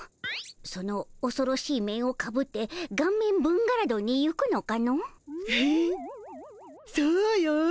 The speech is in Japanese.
そのおそろしい面をかぶってガンメンブンガラドンに行くのかの？へへそうよ。